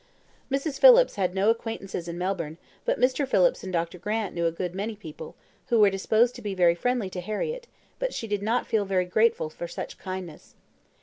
Mrs. Phillips had no acquaintances in Melbourne; but Mr. Phillips and Dr. Grant knew a good many people, who were disposed to be very friendly to Harriett, but she did not feel very grateful for such kindness.